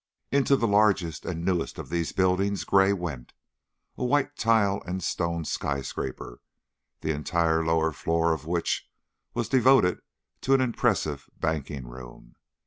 Into the largest and the newest of these buildings Gray went, a white tile and stone skyscraper, the entire lower floor of which was devoted to an impressive banking room.